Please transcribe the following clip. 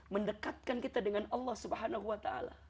mendekatkan kita dengan allah swt